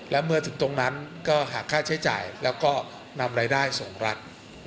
แล้วเมื่อถึงตรงนั้นก็หาค่าใช้จ่ายแล้วก็นำรายได้ส่งรัฐ